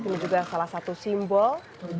ini juga salah satu simbol